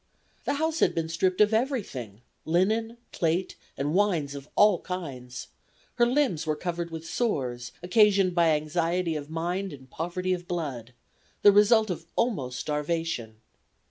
The house had been stripped of everything, linen, plate and wines of all kinds; her limbs were covered with sores, occasioned by anxiety of mind and poverty of blood; the result of almost starvation.